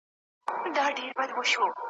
بس یو امید دی لا راته پاته `